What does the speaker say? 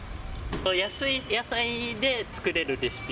安い野菜で作れるレシピ。